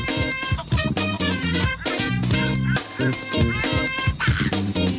เผ้าใส่ไข่ซบกว่าไข่ไหม้กว่าเดิม